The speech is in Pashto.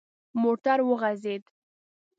موټر وخوځید.